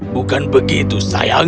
bukan begitu sayang